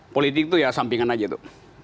politik itu ya sampingan saja itu